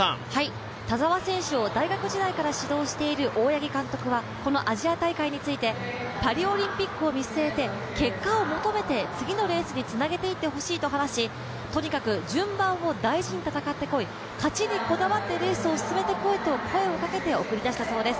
田澤選手を大学時代から指導している大八木監督はこのアジア大会について、パリオリンピックを見据えて結果を求めて次のレースにつなげていってほしいと話し、とにかく順番を大事に戦ってこい、勝ちにこだわってレースを進めてこいと声をかけて送り出したそうです。